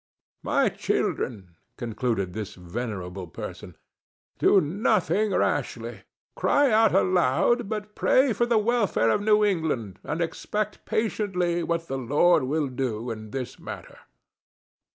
"My children," concluded this venerable person, "do nothing rashly. Cry not aloud, but pray for the welfare of New England and expect patiently what the Lord will do in this matter."